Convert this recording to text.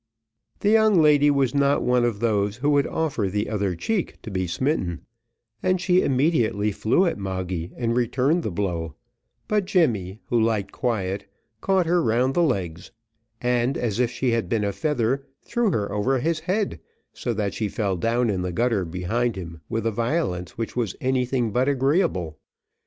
The young lady was not one of those who would offer the other cheek to be smitten, and she immediately flew at Moggy and returned the blow; but Jemmy, who liked quiet, caught her round the legs, and, as if she had been a feather, threw her over his head, so that she fell down in the gutter behind him with a violence which was anything but agreeable.